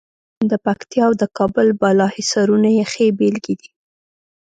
د پکتیا او د کابل بالا حصارونه یې ښې بېلګې دي.